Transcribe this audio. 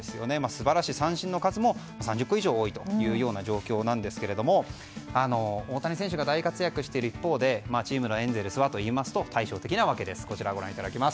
素晴らしい、三振の数も３０個以上多いという状況なんですが大谷さんが大活躍している一方でエンゼルスは対照的なわけです。